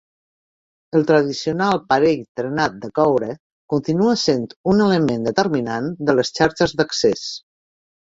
El tradicional parell trenat de coure continua sent un element determinant de les xarxes d'accés.